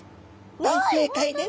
大正解です。